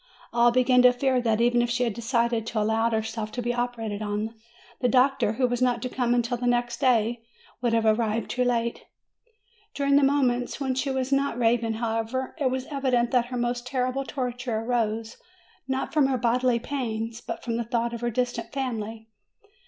All began to fear that, even if she had decided to allow herself to be operated on, the doctor, who was not to come until the next day, would have arrived too late. During the moments when she was not raving, however, it was evident that her most terrible torture arose not from her bodily pains, but from the thought of her distant family.